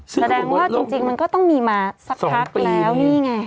แสดงว่าจริงมันก็ต้องมีมาสักพักแล้วนี่ไง